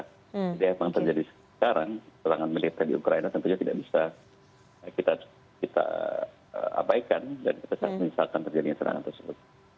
jadi yang terjadi sekarang perang antara militer di ukraina tentunya tidak bisa kita abaikan dan kita bisa menyesalkan terjadinya perang antara rusia